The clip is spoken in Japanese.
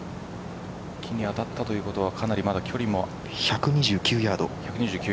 木に当たったということはかなりまだ距離も１２９ヤード。